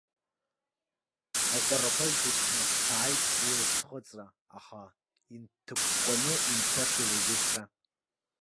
Аҟәарақәа зегьы ҭнарҭәааит уи аӡхыҵра, аха инҭыкәкәаны имцашеи уажәыҵәҟьа.